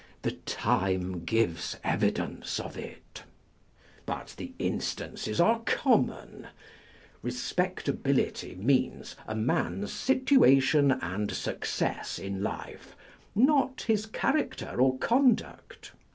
" The time gives evidence of it." But the instances are common. Eespectability means a man's situation and success in life, not his character or conduct.